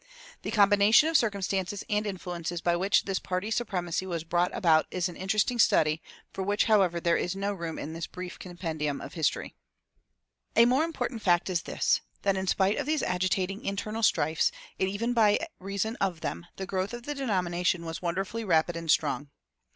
The combination of circumstances and influences by which this party supremacy was brought about is an interesting study, for which, however, there is no room in this brief compendium of history. A more important fact is this: that in spite of these agitating internal strifes, and even by reason of them, the growth of the denomination was wonderfully rapid and strong.